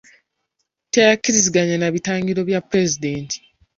Teyakkiriziganya na bitagiro bya pulezidenti.